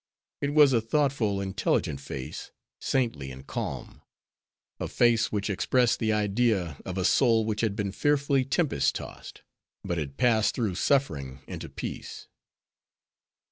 It was a thoughtful, intelligent face, saintly and calm. A face which expressed the idea of a soul which had been fearfully tempest tossed, but had passed through suffering into peace.